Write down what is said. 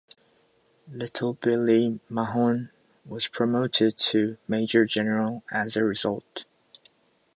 "Little Billy" Mahone was promoted to major general as a result.